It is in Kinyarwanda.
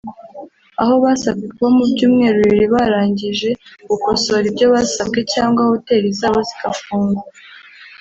aho basabwe kuba mu byumweru bibiri barangije gukosora ibyo basabwe cyangwa hoteri zabo zigafungwa